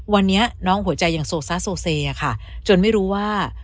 วันนี้น้องหัวใจยังโซซ่าโซเซค่ะจนไม่รู้ว่า